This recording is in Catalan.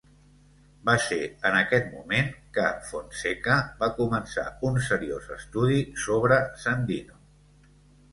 Va ser en aquest moment que Fonseca "va començar un seriós estudi sobre Sandino".